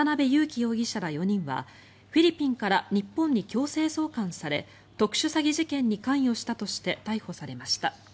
容疑者ら４人はフィリピンから日本に強制送還され特殊詐欺事件に関与したとして逮捕されました。